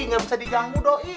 nggak bisa diganggu doi